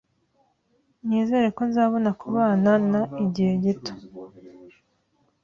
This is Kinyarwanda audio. Nizere ko nzabona kubana na igihe gito.